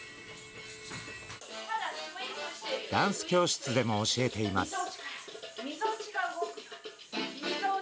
ダンス教室でも教えています。